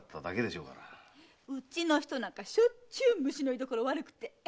うちの人なんかしょっちゅう虫の居所悪くて。